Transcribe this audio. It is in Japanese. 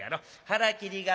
腹切り刀。